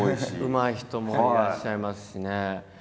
うまい人もいらっしゃいますしね。